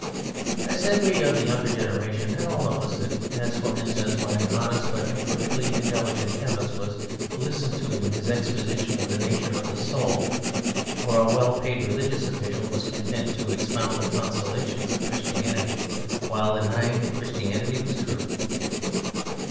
I said we of the younger generation had all noticed it, as, for instance, when an honest but imperfectly intelligent chemist was listened to in his exposition of the nature of the soul, or a well paid religious official was content to expound the consolations of Christianity while denying that Christianity was true.